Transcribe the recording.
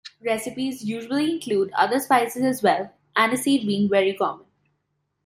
Recipes usually include other spices as well, aniseed being very common.